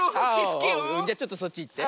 じゃちょっとそっちいって。